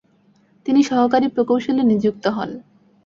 তিনি সহকারী প্রকৌশলী নিযুক্ত হন।